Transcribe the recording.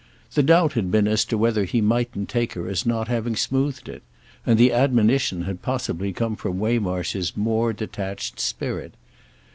The doubt had been as to whether he mightn't take her as not having smoothed it—and the admonition had possibly come from Waymarsh's more detached spirit.